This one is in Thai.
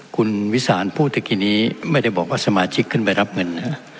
คุณวิสานพูดเมื่อกี้นี้ไม่ได้บอกว่าสมาชิกขึ้นไปรับเงิน